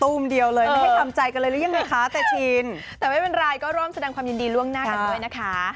ธุ่มเดียวเลยแล้วทำใจกันเลยยังไหมค่ะแต่จริงแต่ไม่เป็นไรก็ร่องสดังความยินดีล่วงหน้ากันด้วยนะคะ